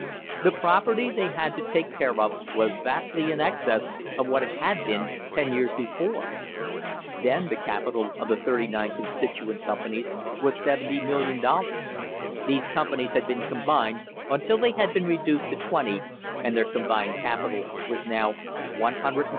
The property they had to take care of was vastly in excess of what it had been ten years before. Then the capital of the thirty nine constitu ent companies was $70,000,000. These companies had been combined until they had been reduced to twenty, and their combined capital was now $102,233,700.!